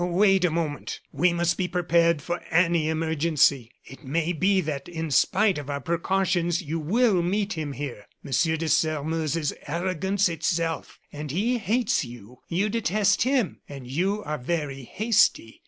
"Wait a moment; we must be prepared for any emergency. It may be that, in spite of our precautions, you will meet him here. Monsieur de Sairmeuse is arrogance itself; and he hates you. You detest him, and you are very hasty.